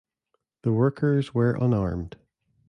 The workers were unarmed.